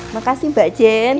makasih mbak jen